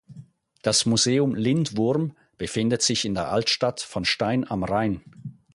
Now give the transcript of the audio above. Das Museum Lindwurm befindet sich in der Altstadt von Stein am Rhein.